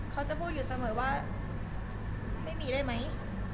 เขาจะพูดอยู่เสมอว่าไม่มีได้ไหม